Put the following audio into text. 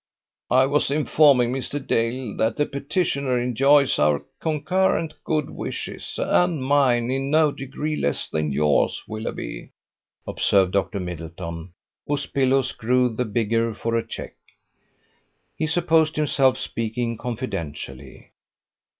"I was informing Mr. Dale that the petitioner enjoys our concurrent good wishes: and mine in no degree less than yours, Willoughby," observed Dr. Middleton, whose billows grew the bigger for a check. He supposed himself speaking confidentially.